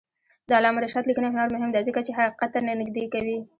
د علامه رشاد لیکنی هنر مهم دی ځکه چې حقیقت ته نږدې کوي.